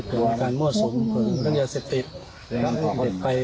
เผื่อการโมสมเผื่อเงินเงินเศษติฤทธิ์